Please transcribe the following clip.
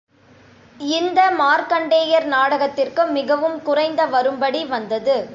இந்த மார்க்கண்டேயர் நாடகத்திற்கு மிகவும் குறைந்த வரும்படி வந்தது.